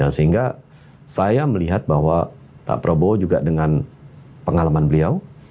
sehingga saya melihat bahwa pak prabowo juga dengan pengalaman beliau